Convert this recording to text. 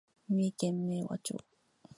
三重県明和町